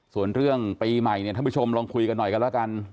ส่วนเรื่องปีใหม่เนี่ยท่านผู้ชมลองคุยกันหน่อยกันแล้วกัน